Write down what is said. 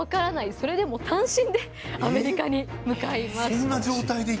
それでも単身でアメリカに向かいます。